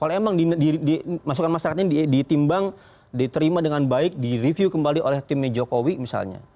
kalau emang dimasukkan masyarakat ini ditimbang diterima dengan baik direview kembali oleh timnya jokowi misalnya